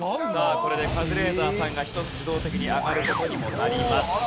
さあこれでカズレーザーさんが１つ自動的に上がる事にもなります。